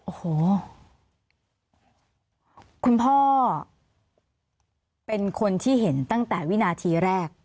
โอ้โหคุณพ่อเป็นคนที่เห็นตั้งแต่วินาทีแรก